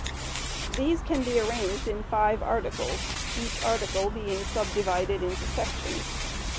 These can be arranged in five articles, each article being subdivided into sections.